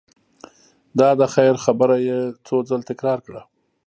دا د خیر خبره یې څو ځل تکرار کړه.